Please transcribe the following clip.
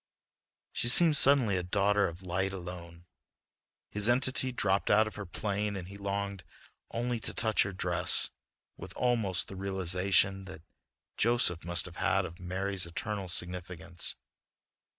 She seemed suddenly a daughter of light alone. His entity dropped out of her plane and he longed only to touch her dress with almost the realization that Joseph must have had of Mary's eternal significance.